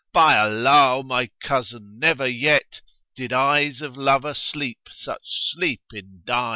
By Allah, O my cousin, never yet * Did eyes of lover sleep such sleep indign."